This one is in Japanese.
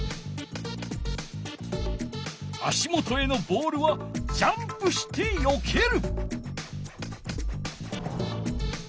足もとへのボールはジャンプしてよける。